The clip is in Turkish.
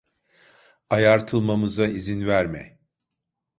Ayartılmamıza izin verme.